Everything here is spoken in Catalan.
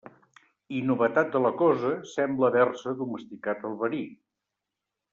I, novetat de la cosa, sembla haver-se domesticat el verí.